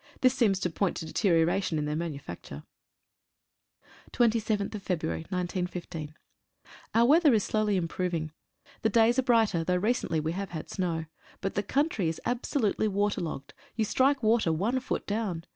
This seems to point to deterioration in their manufacture. 40 NO MAN'S LAND. 27/2/15. UR weather is slowly improving. The days are brighter, though recently we have had snow. But the country is absolutely waterlogged. You strike water one foot down.